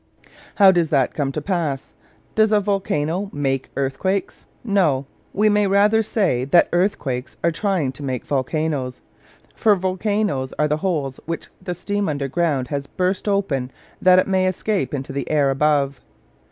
How does that come to pass? Does a volcano make earthquakes? No; we may rather say that earthquakes are trying to make volcanos. For volcanos are the holes which the steam underground has burst open that it may escape into the air above.